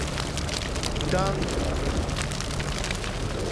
ٹَݣ